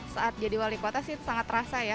saat jadi wali kota sih sangat terasa ya